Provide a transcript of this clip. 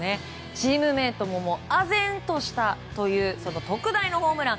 チームメートもあぜんとしたという特大のホームラン。